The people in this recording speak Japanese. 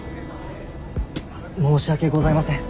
申し訳ございません。